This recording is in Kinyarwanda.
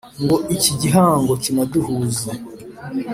ngo iki gihango kinaduhuze !